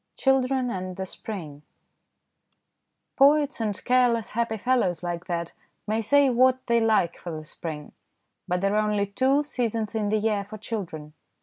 CHILDREN AND THE SPRING POETS and careless, happy fellows like that may say what they like for the spring, but there are only two seasons in the year for children.